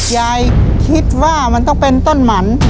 ยายคิดว่ามันต้องเป็นต้นหมัน